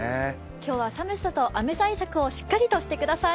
今日は寒さと雨対策をしっかりとしてください。